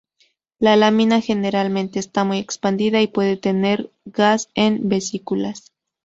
La lámina generalmente está muy expandida y puede tener gas en vesículas.